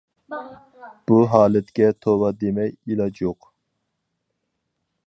بۇ ھالەتكە توۋا دېمەي ئىلاج يوق.